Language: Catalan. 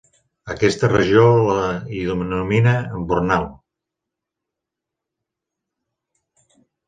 A aquesta regió la hi denomina embornal.